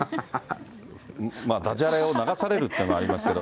だじゃれを流されるっていうのはありますけど。